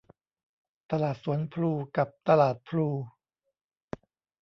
ตลาดสวนพลู กับ ตลาดพลู